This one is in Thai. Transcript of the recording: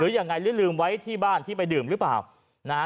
หรือยังไงหรือลืมไว้ที่บ้านที่ไปดื่มหรือเปล่านะฮะ